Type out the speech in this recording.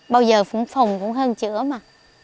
bao giờ phủng phùng cũng hơn chữa mà